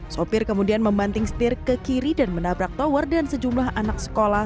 sopir kemudian membanting setir ke kiri dan menabrak tower dan sejumlah anak sekolah